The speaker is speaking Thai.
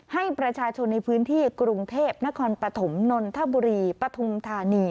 ให้ประชาชนในพื้นที่กรุงเทพนครปฐมนนทบุรีปฐุมธานี